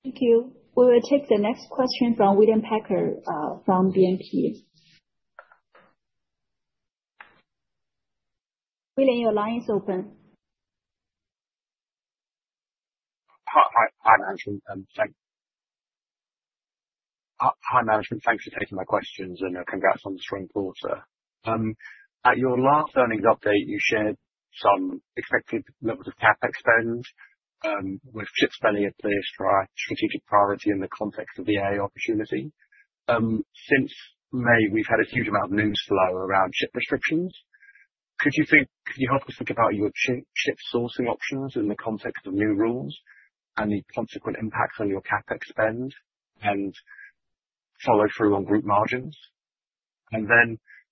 Thank you. We will take the next question from William Packer from BNP. William, your line is open. Hi, Management. Thanks for taking my questions, and congrats on the spring quarter. At your last earnings update, you shared some expected levels of CapEx spend with chip spending in place for our strategic priority in the context of the AI opportunity. Since May, we've had a huge amount of news flow around chip restrictions. Could you help us think about your chip sourcing options in the context of new rules and the consequent impacts on your CapEx spend and follow-through on group margins?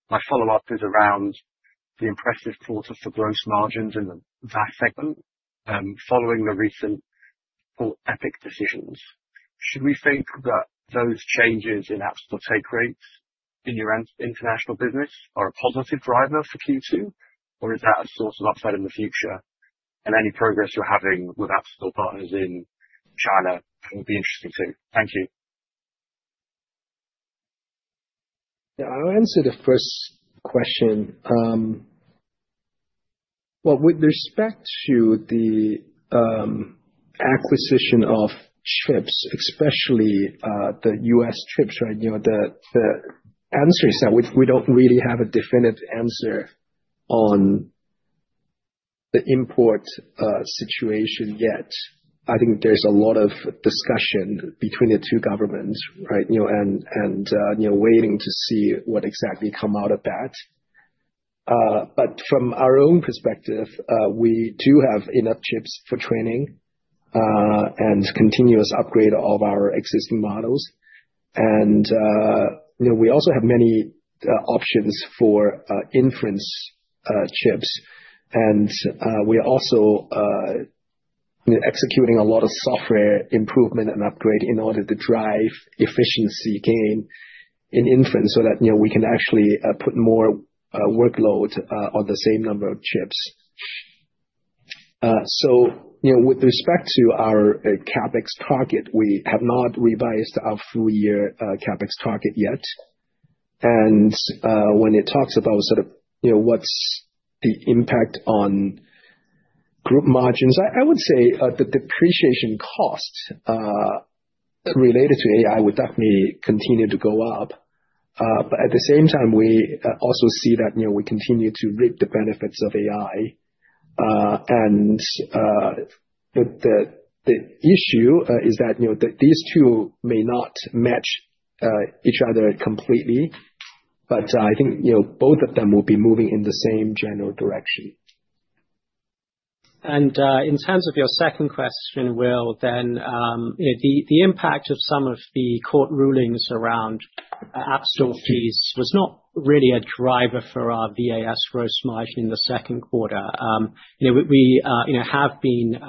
My follow-up is around the impressive quarter of gross margins in the VAS segment following the recent or epic decisions. Do we think that those changes in out-of-store take rates in your international business are a positive driver for Q2? Is that a source of upside in the future? Any progress you're having with out-of-store partners in China would be interesting too. Thank you. I'll answer the first question. With respect to the acquisition of chips, especially the U.S. chips, the answer is that we don't really have a definite answer on the import situation yet. I think there's a lot of discussion between the two governments, and we're waiting to see what exactly comes out of that. From our own perspective, we do have enough chips for training and continuous upgrade of our existing models. We also have many options for inference chips. We are also executing a lot of software improvement and upgrade in order to drive efficiency gain in inference so that we can actually put more workload on the same number of chips. With respect to our CapEx target, we have not revised our full-year CapEx target yet. When it talks about what's the impact on group margins, I would say the depreciation costs related to AI would definitely continue to go up. At the same time, we also see that we continue to reap the benefits of AI. The issue is that these two may not match each other completely, but I think both of them will be moving in the same general direction. In terms of your second question, Will, the impact of some of the court rulings around app store fees was not really a driver for our VAS gross margin in the second quarter. We have been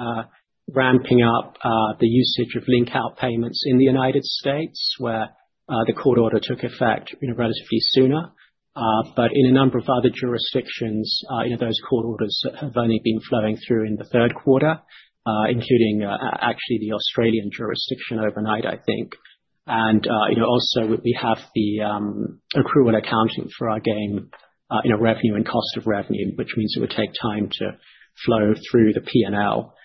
ramping up the usage of link-out payments in the United States, where the court order took effect relatively sooner. In a number of other jurisdictions, those court orders have only been flowing through in the third quarter, including actually the Australian jurisdiction overnight, I think. We have the accrual accounting for our game revenue and cost of revenue, which means it would take time to flow through the P&L.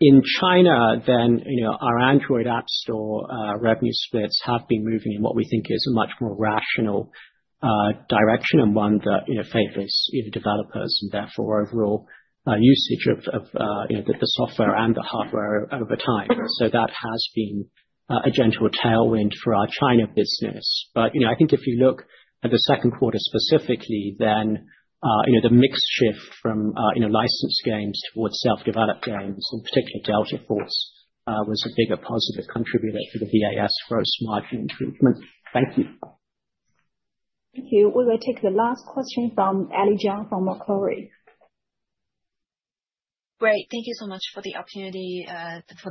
In China, our Android app store revenue splits have been moving in what we think is a much more rational direction and one that favors either developers and therefore overall usage of the software and the hardware over time. That has been a gentle tailwind for our China business. If you look at the second quarter specifically, the mixed shift from licensed games towards self-developed games, and particularly Delta Force, was a big positive contributor to the VAS gross margin improvement. Thank you. Thank you. We will take the last question from Ellie Jiang from Macquarie. Great. Thank you so much for the opportunity for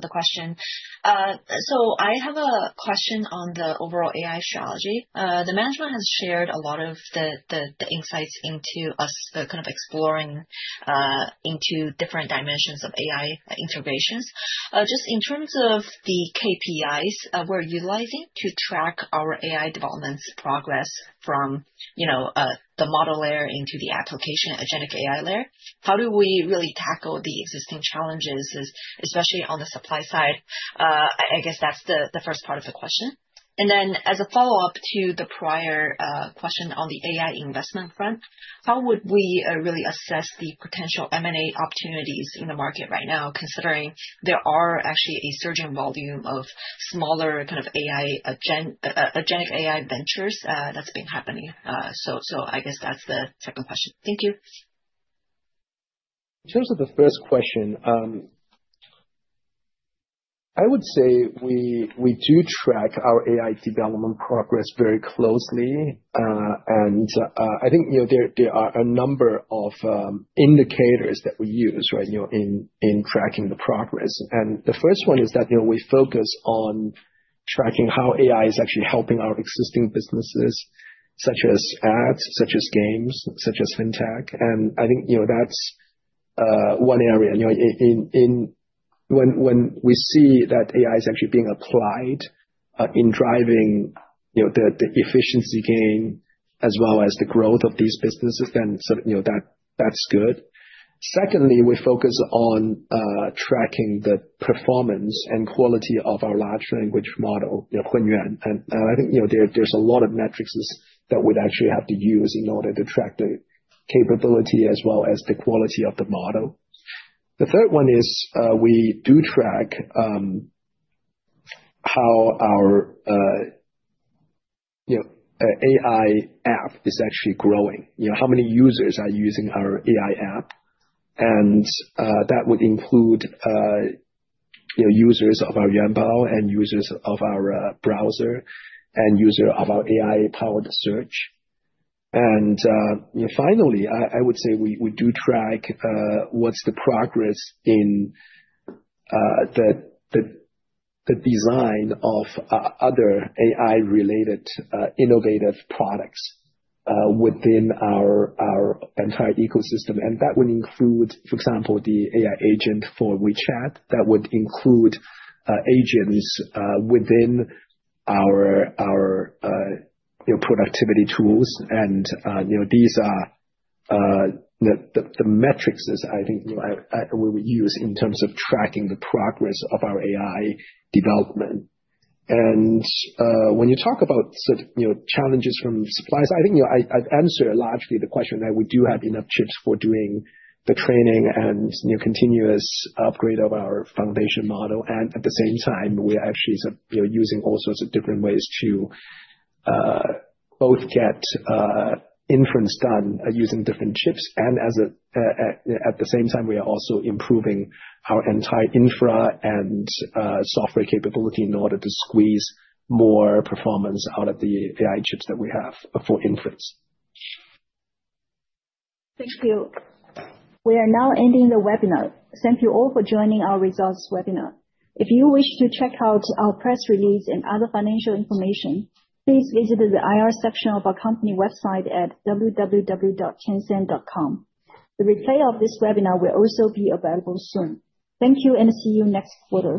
the question. I have a question on the overall AI strategy. The management has shared a lot of the insights into us kind of exploring into different dimensions of AI integrations. Just in terms of the KPIs we're utilizing to track our AI development's progress from the model layer into the application-agentic AI layer, how do we really tackle the existing challenges, especially on the supply side? I guess that's the first part of the question. As a follow-up to the prior question on the AI investment front, how would we really assess the potential M&A opportunities in the market right now, considering there are actually a surging volume of smaller kind of agentic AI ventures that's been happening? I guess that's the second question. Thank you. In terms of the first question, I would say we do track our AI development progress very closely. I think there are a number of indicators that we use. In tracking the progress, the first one is that we focus on tracking how AI is actually helping our existing businesses, such as ads, games, and fintech. I think that's one area where we see that AI is actually being applied in driving the efficiency gain as well as the growth of these businesses. That's good. Secondly, we focus on tracking the performance and quality of our large language model, Hunyuan. I think there are a lot of metrics that we'd actually have to use in order to track the capability as well as the quality of the model. The third one is we do track how our AI app is actually growing, how many users are using our AI app. That would include users of our Yuanbao, users of our browser, and users of our AI-powered search. Finally, I would say we do track the progress in the design of other AI-related innovative products within our entire ecosystem. That would include, for example, the AI agent for WeChat. That would include agents within our productivity tools. These are the metrics that I think we would use in terms of tracking the progress of our AI development. When you talk about challenges from suppliers, I think I've answered largely the question that we do have enough chips for doing the training and continuous upgrade of our foundation model. At the same time, we are actually using all sorts of different ways to both get inference done using different chips. At the same time, we are also improving our entire infrastructure and software capability in order to squeeze more performance out of the AI chips that we have for inference. Thank you. We are now ending the webinar. Thank you all for joining our results webinar. If you wish to check out our press release and other financial information, please visit the IR section of our company website at www.tencent.com. The replay of this webinar will also be available soon. Thank you and see you next quarter.